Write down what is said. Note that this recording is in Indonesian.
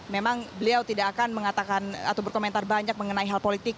memang beliau tidak akan mengatakan atau berkomentar banyak mengenai hal politik